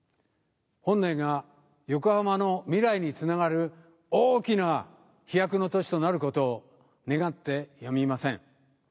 本年が横浜の未来に繋がる大きな飛躍の年となる事を願ってやみません。